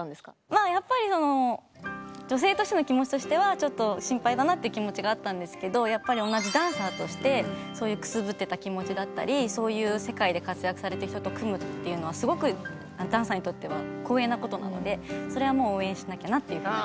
まあやっぱりその女性としての気持ちとしてはちょっと心配だなって気持ちがあったんですけどやっぱり同じダンサーとしてそういうくすぶってた気持ちだったりそういう世界で活躍されてきた人と組むっていうのはすごくダンサーにとっては光栄なことなのでそれはもう応援しなきゃなっていうふうになりました。